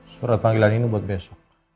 surat panggilan ini buat besok